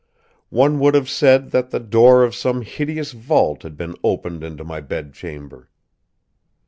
One would have said that the door of some hideous vault had been opened into my bedchamber.